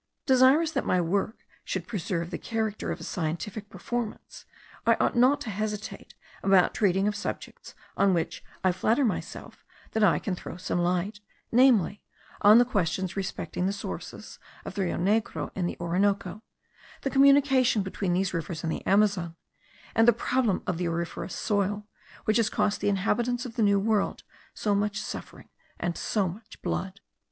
Desirous that my work should preserve the character of a scientific performance, I ought not to hesitate about treating of subjects on which I flatter myself that I can throw some light; namely, on the questions respecting the sources of the Rio Negro and the Orinoco, the communication between these rivers and the Amazon, and the problem of the auriferous soil, which has cost the inhabitants of the New World so much suffering and so much blood.